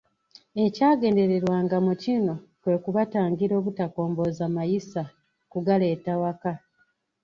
Ekyagendererwanga mu kino kwe kubatangira obutakombooza mayisa kugaleeta waka.